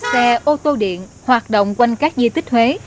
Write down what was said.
xe ô tô điện hoạt động quanh các di tích thuế